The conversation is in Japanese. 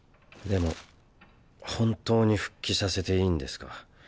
でも本当に復帰させていいんですか？